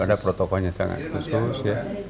ada protokolnya sangat khusus ya